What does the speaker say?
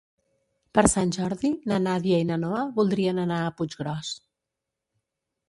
Per Sant Jordi na Nàdia i na Noa voldrien anar a Puiggròs.